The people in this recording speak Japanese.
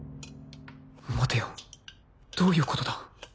待てよどういうことだ？